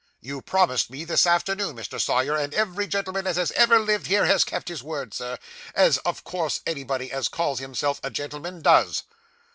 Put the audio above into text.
You promised me this afternoon, Mr. Sawyer, and every gentleman as has ever lived here, has kept his word, Sir, as of course anybody as calls himself a gentleman does.